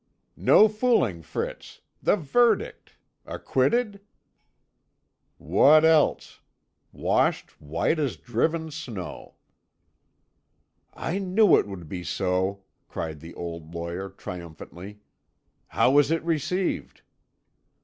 "No fooling, Fritz. The verdict; Acquitted?" "What else? Washed white as driven snow." "I knew it would be so," cried the old lawyer triumphantly. "How was it received?"